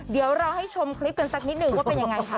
เดี๋ยวเราให้ชมคลิปกันสักนิดนึงว่าเป็นยังไงคะ